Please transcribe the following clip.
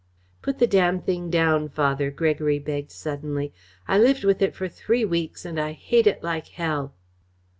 "Put the damned thing down, Father," Gregory begged suddenly. "I lived with it for three weeks and I hate it like hell."